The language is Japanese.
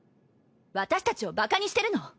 私たちをバカにしてるの！？